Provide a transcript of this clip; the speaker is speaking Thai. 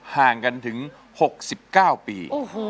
ห่างกันถึง๖๙ปี